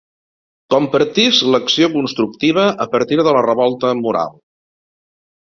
Compartisc l'acció constructiva a partir de la revolta moral.